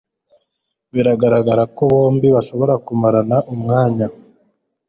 biragaragara ko bombi bashaka kumarana umwanya